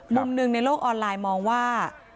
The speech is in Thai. มุมหนึ่งในโลกออนไลน์มองว่า